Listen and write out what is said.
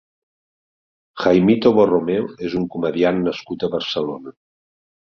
Jaimito Borromeo és un comediant nascut a Barcelona.